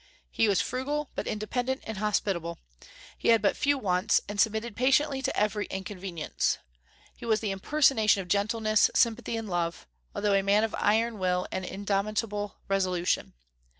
He was frugal, but independent and hospitable; he had but few wants, and submitted patiently to every inconvenience. He was the impersonation of gentleness, sympathy, and love, although a man of iron will and indomitable resolution.